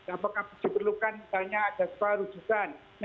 apakah diperlukan misalnya ada sebuah rujukan